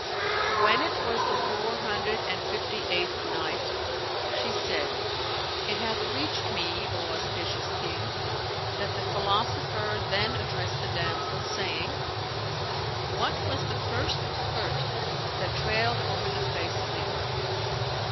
When it was the Four Hundred and Fifty eighth Night, She said, It hath reached me, O auspicious King, that the philosopher then addressed the damsel saying, "What was the first skirt that trailed over the face of the earth?"